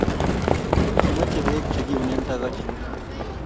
Kimache peek che kiunen Takach